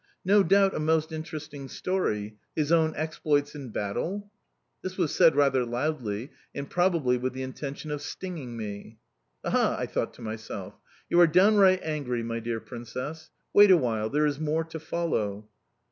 "No doubt a most interesting story his own exploits in battle?"... This was said rather loudly, and probably with the intention of stinging me. "Aha!" I thought to myself. "You are downright angry, my dear Princess. Wait awhile, there is more to follow."